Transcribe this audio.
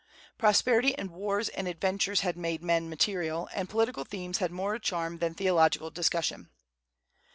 Prosperity and wars and adventures had made men material, and political themes had more charm than theological discussion.